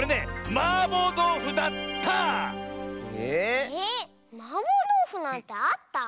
マーボーどうふなんてあった？